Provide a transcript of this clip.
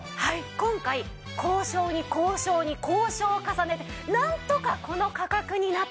今回交渉に交渉に交渉を重ねてなんとかこの価格になったんです！